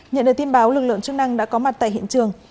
nhận được tin báo lực lượng chức năng đã có mặt tại hiện trường